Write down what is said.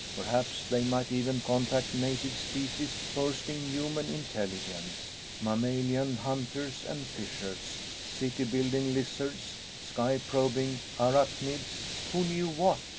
Perhaps, they might even contact native species boasting human intelligence: mammalian hunters and fishers, city building lizards, sky probing arachnids who knew what?